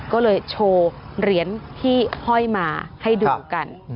ก็เลยโชว์เหรียญที่ห้อยมาให้ดูกัน